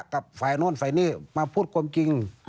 กับฝ่ายโน่นฝ่ายนี้มาพูดความจริง